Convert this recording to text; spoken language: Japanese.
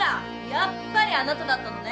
やっぱりあなただったのね！